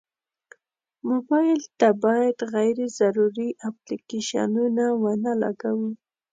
موبایل ته باید غیر ضروري اپلیکیشنونه ونه لګوو.